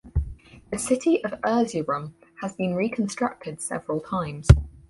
The city of Erzurum has been reconstructed several times.